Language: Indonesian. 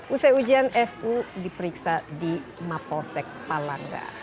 usai ujian fu diperiksa di mapolsek palangga